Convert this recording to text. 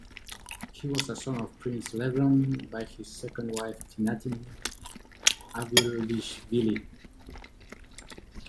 He was a son of Prince Levan by his second wife, Tinatin Avalishvili.